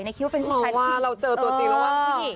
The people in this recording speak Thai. นายคิดเป็นไฟนว์ว่าอ๋อเราเจอตัวจริงแล้วหรือเปล่า